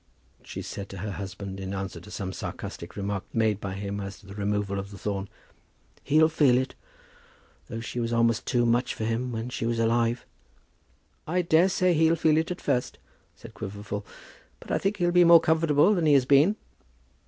she said to her husband, in answer to some sarcastic remark made by him as to the removal of the thorn. "He'll feel it, though she was almost too many for him while she was alive." "I daresay he'll feel it at first," said Quiverful; "but I think he'll be more comfortable than he has been."